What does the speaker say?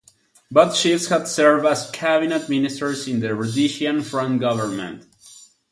Both chiefs had served as Cabinet Ministers in the Rhodesian Front government.